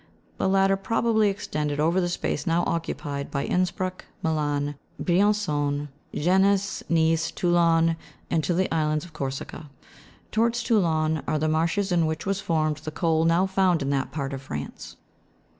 The latter probably extended over the space no\v occupied by Inspruck, Milan, Briancon, Genes, Nice, Toulon, and to the island of Corsica. Towards Toulon are the marshes in which was formed the coal now found in that part of France.